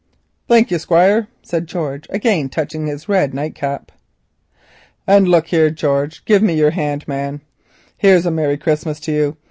"Thank you, Squire," said George again, touching his red nightcap. "And look here, George. Give me your hand, man. Here's a merry Christmas to you.